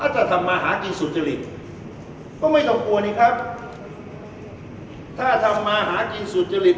ถ้าทำมาหากินสุจริตก็ไม่ต้องกลัวนี่ครับถ้าทำมาหากินสุจริต